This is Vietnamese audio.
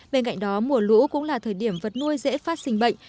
bên cạnh đó mùa lũ cũng là thời điểm vật nuôi dễ phát sinh bệnh